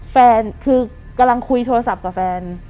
แฟนคือกำลังคุยโทรศัพท์กับแฟน